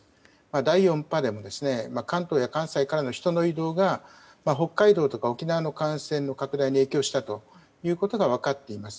第４波でも関東や関西からの人の移動が北海道や沖縄の感染拡大に影響したということが分かっています。